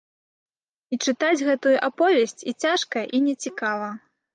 І чытаць гэтую аповесць і цяжка, і нецікава.